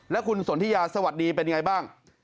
และคุณสนทิยาสวัสดีเป็นยังไงบ้าง